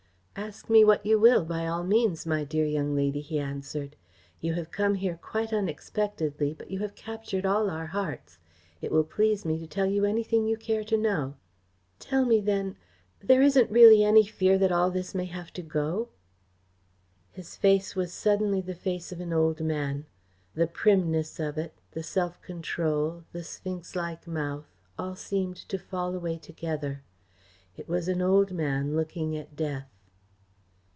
"Ask me what you will, by all means, my dear young lady," he answered. "You have come here quite unexpectedly, but you have captured all our hearts. It will please me to tell you anything you care to know." "Tell me then there isn't really any fear that all this may have to go?" His face was suddenly the face of an old man. The primness of it, the self control, the sphinx like mouth, all seemed to fall away together. It was an old man looking at death.